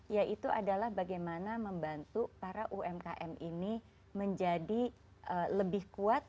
yaitu adalah bagaimana membantu para umkm ini menjadi lebih kuat